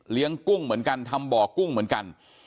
กุ้งเหมือนกันทำบ่อกุ้งเหมือนกัน